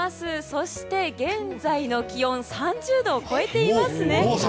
そして、現在の気温３０度を超えていますね。